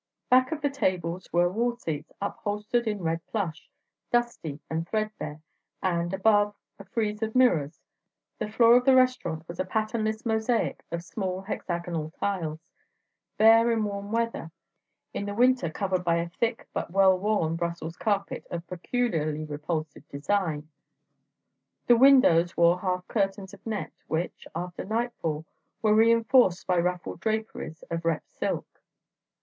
Back of the tables were wall seats upholstered in red plush, dusty and threadbare; and, above, a frieze of mirrors. The floor of the restaurant was a patternless mosaic of small hexagonal tiles, bare in warm weather, in the winter covered by a thick but well worn Brussels carpet of peculiarly repulsive design. The windows wore half curtains of net which, after nightfall, were reinforced by ruffled draperies of rep silk.